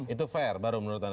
itu fair baru menurut anda